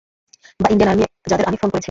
বা Indian army যাদের আমি ফোন করেছি।